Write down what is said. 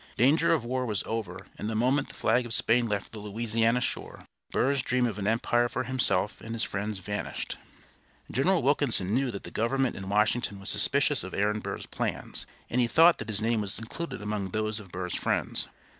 Danger of war was over, and the moment the flag of Spain left the Louisiana shore, Burr's dream of an empire for himself and his friends vanished. General Wilkinson knew that the government in Washington was suspicious of Aaron Burr's plans, and he thought that his name was included among those of Burr's friends.